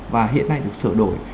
và hiện nay được sửa đổi